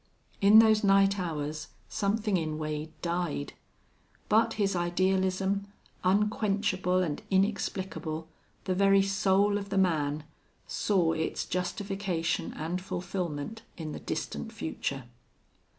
In those night hours something in Wade died, but his idealism, unquenchable and inexplicable, the very soul of the man, saw its justification and fulfilment in the distant future.